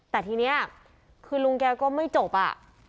แต่ทีนี้คือลุงแกก็ไม่จบอ่ะ